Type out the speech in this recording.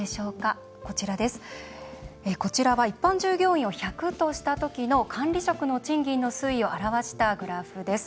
こちらは一般従業員を１００とした時の管理職の賃金の推移を表したグラフです。